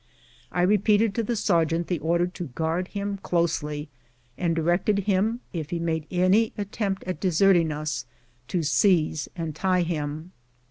I repeated to the sergeant the order to guard him closely, and directed him, if he made any attempt at deserting us, to seize and tie him.